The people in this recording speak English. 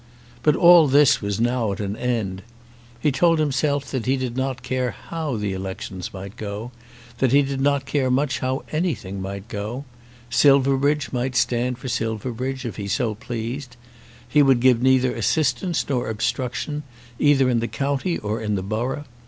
But all this was now at an end. He told himself that he did not care how the elections might go; that he did not care much how anything might go. Silverbridge might stand for Silverbridge if he so pleased. He would give neither assistance nor obstruction, either in the county or in the borough.